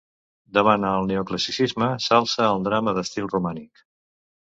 Davant el neoclassicisme, s'alça el drama d'estil romàntic.